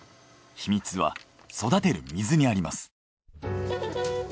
秘密は育てる水にあります。